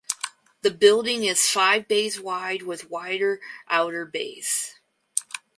The building is five bays wide with wider outer bays.